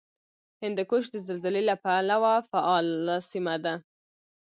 هندوکش د زلزلې له پلوه فعاله سیمه ده